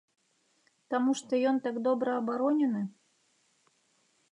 Таму што ён так добра абаронены?